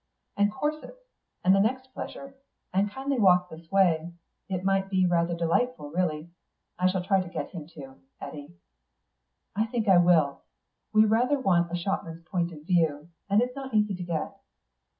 "And corsets, and the next pleasure, and kindly walk this way. It might be rather delightful really. I should try to get him to, Eddy." "I think I will. We rather want the shopman's point of view, and it's not easy to get."